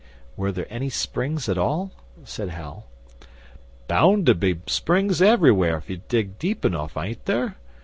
'Were there any springs at all?' said Hal. 'Bound to be springs everywhere if you dig deep enough, ain't there?